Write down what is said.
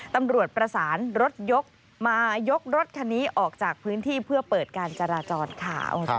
ตำรวจประสานรถยกมายกรถคันนี้ออกจากพื้นที่เพื่อเปิดการจราจรค่ะ